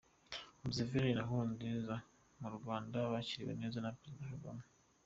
Museveni na nkurunziza murwanda bakiriwe neza na perezida kagame